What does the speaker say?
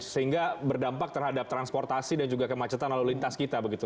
sehingga berdampak terhadap transportasi dan juga kemacetan lalu lintas kita begitu